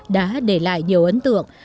đã để lại nhiều ấn tượng